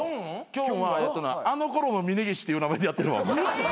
きょんはあの頃の峯岸っていう名前でやってるわ。